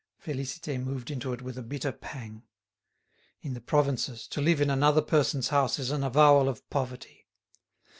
Félicité moved into it with a bitter pang. In the provinces, to live in another person's house is an avowal of poverty.